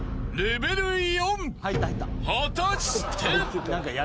［果たして］